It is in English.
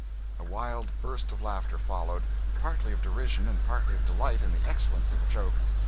A wild burst of laughter followed, partly of derision and partly of delight in the excellence of the joke.